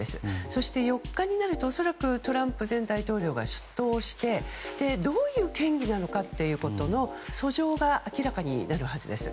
そして４日になると、恐らくトランプ前大統領が出頭してどういう嫌疑なのかということの訴状が明らかになるはずです。